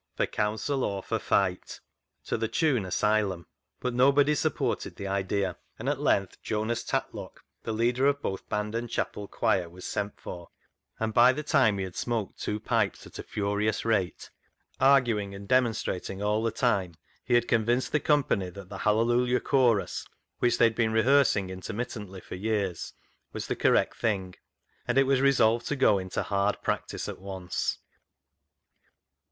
For counsel or for fight." to the tune Asylum. But nobody supported the idea, and at length Jonas Tatlock, the leader of both band and chapel choir, was sent for, and by the time he had smoked two pipes at a furious rate, arguing and demonstrating all the time, he had convinced the company that the " Hallelujah Chorus," which they had been rehearsing intermittently for years, was the correct thing, and it was resolved to go into hard practice at once.